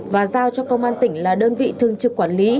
và giao cho công an tỉnh là đơn vị thường trực quản lý